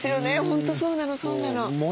本当そうなのそうなの。